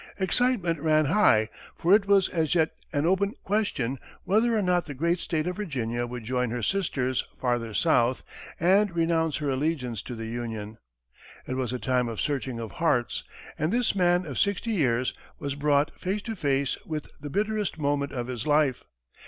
Excitement ran high, for it was as yet an open question whether or not the great state of Virginia would join her sisters farther south and renounce her allegiance to the Union. It was a time of searching of hearts, and this man of sixty years was brought face to face with the bitterest moment of his life.